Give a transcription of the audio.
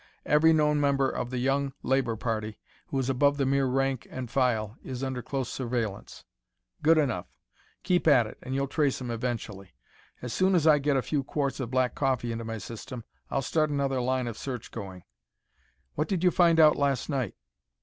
Every known member of the Young Labor party who is above the mere rank and file is under close surveillance." "Good enough. Keep at it and you'll trace him eventually. As soon as I get a few quarts of black coffee into my system, I'll start another line of search going." "What did you find out last night?"